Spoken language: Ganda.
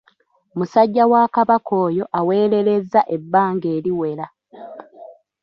Musajja wa Kabaka oyo aweererezza ebbanga eriwera.